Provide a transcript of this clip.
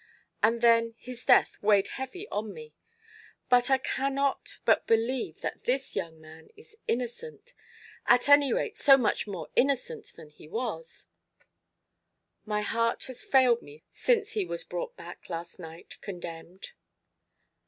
And then his death weighed heavy on me; but I cannot but believe that this young man is innocent, at any rate so much more innocent than he was, my heart has failed me since he was brought back last night condemned."